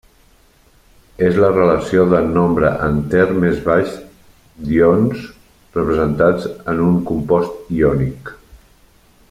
És la relació de nombre enter més baix d'ions representats en un compost iònic.